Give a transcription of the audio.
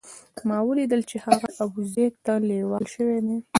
ما ولیدل چې هغه ابوزید ته لېوال شوی دی.